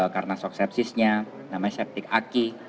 karena shock sepsisnya namanya septic aki